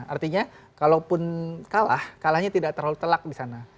artinya kalaupun kalah kalahnya tidak terlalu telak di sana